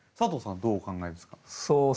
どうお考えですか？